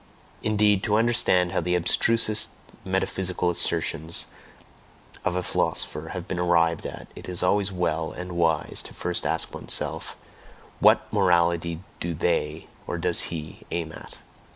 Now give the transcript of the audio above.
Indeed, to understand how the abstrusest metaphysical assertions of a philosopher have been arrived at, it is always well (and wise) to first ask oneself: "What morality do they (or does he) aim at?"